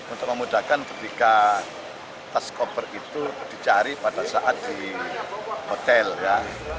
untuk memudahkan ketika tas koper itu dicari pada saat di hotel ya